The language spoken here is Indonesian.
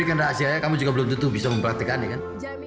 kalau saya berikan rahasianya kamu juga belum tutup bisa memperhatikan ya kan